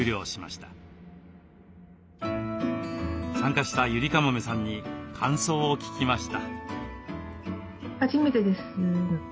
参加したゆりかもめさんに感想を聞きました。